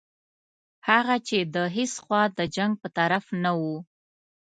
هغه چې د هیڅ خوا د جنګ په طرف نه وو.